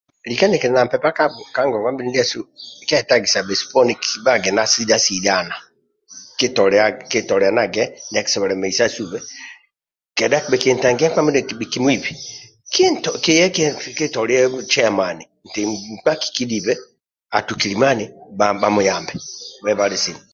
Lika nikili na mpempa ka ngongwa-mbili ndiasu, kikyetagisa bhesu poni kibhage na sidha-sidhana kitolianage ndia akisobhola bheisasube kedha bhikintangia nkpa mindia kekimuibi, kinto kiye kintilie ceyamani tuti nkpa akikidhibe atukilimani bhamuyambe